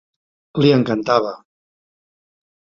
Li encantava!